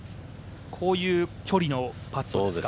こういう距離のパットですか。